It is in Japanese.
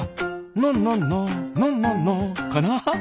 「なななななな」かな？